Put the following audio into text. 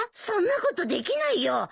そんなことできないよ。